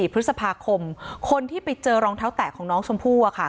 พฤษภาคมคนที่ไปเจอรองเท้าแตะของน้องชมพู่